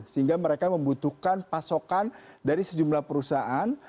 sehingga mereka membutuhkan pasokan dari sejumlah perusahaan